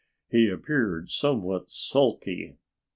He appeared somewhat sulky.